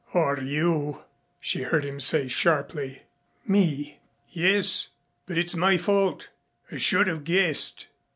"Or you," she heard him say sharply. "Me?" "Yes. But it's my fault. I should have guessed."